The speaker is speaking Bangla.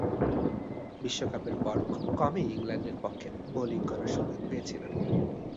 বিশ্বকাপের পর খুব কমই ইংল্যান্ডের পক্ষে বোলিং করার সুযোগ পেয়েছিলেন।